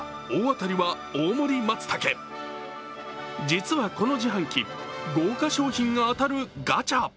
実はこの自販機豪華賞品が当たるガチャ。